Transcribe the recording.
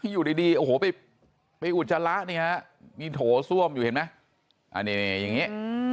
อยู่ดีโอ้โหไปอุจจาระนี่ฮะมีโถส้วมอยู่เห็นไหมอันนี้อย่างนี้